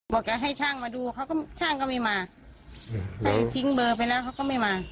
แกให้ช่างมาดูเขาก็ช่างก็ไม่มาใครทิ้งเบอร์ไปแล้วเขาก็ไม่มา